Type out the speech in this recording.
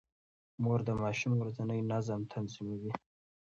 مور د ماشوم ورځنی نظم تنظيموي.